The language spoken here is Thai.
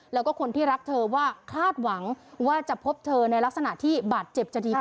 แล้วก็คนที่รักเธอว่าคาดหวังว่าจะพบเธอในลักษณะที่บาดเจ็บจะดีกว่า